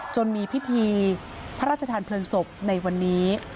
จนมีพิธีพระราชทานเพลิงศพในวันนี้